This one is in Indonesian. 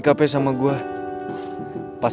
ntar lo juga tau